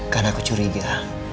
karena aku curiga